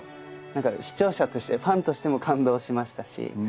視聴者としてファンとしても感動しましたし。